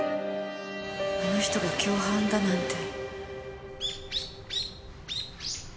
あの人が共犯だなんて。